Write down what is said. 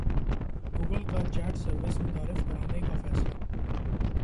Google کا chat service متعارف کرانے کا فیصلہ